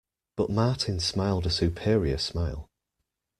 But Martin smiled a superior smile.